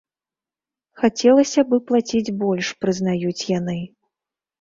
Хацелася бы плаціць больш, прызнаюць яны.